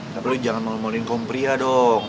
tapi lo jangan malu maluin kaum pria dong